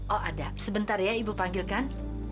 oh ada sebentar ya ibu panggilkan